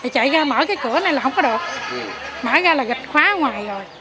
chạy ra mở cái cửa này là không có được mở ra là gạch khóa ở ngoài rồi